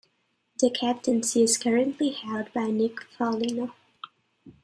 The captaincy is currently held by Nick Foligno.